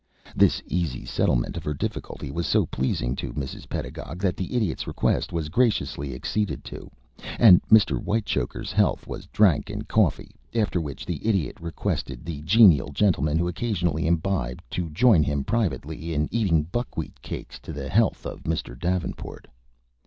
This easy settlement of her difficulty was so pleasing to Mrs. Pedagog that the Idiot's request was graciously acceded to, and Mr. Whitechoker's health was drank in coffee, after which the Idiot requested the genial gentleman who occasionally imbibed to join him privately in eating buckwheat cakes to the health of Mr. Davenport.